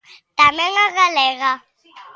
Tamén a galega.